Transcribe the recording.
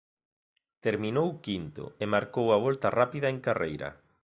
Terminou quinto e marcou a volta rápida en carreira.